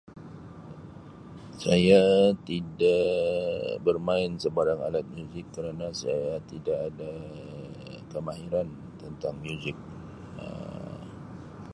Saya tidak bermain sebarang alat muzik kerena saya tidak ada kemahiran tentang muzik Um .